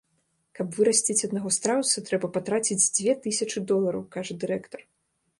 Каб вырасціць аднаго страуса, трэба патраціць дзве тысячы долараў, кажа дырэктар.